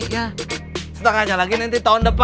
ya setengahnya lagi nanti